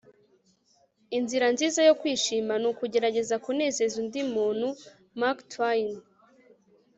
inzira nziza yo kwishima ni ukugerageza kunezeza undi muntu - mark twain